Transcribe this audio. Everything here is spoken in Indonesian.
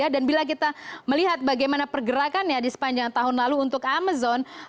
dan bila kita melihat bagaimana pergerakannya di sepanjang tahun lalu untuk amazon